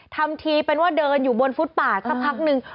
ทำทีเป็นว่าเดินอยู่บนฟุตป่าสักพักนึง